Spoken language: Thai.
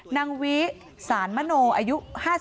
นางวิสานมโนอายุ๕๓